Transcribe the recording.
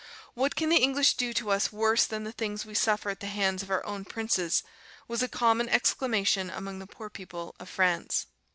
'What can the English do to us worse than the things we suffer at the hands of our own princes?' was a common exclamation among the poor people of France."